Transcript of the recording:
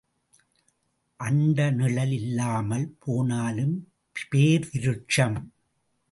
அண்ட நிழல் இல்லாமல் போனாலும் பேர் விருட்சம்.